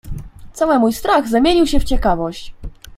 "Cały mój strach zamienił się w ciekawość."